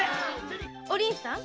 お凛さん。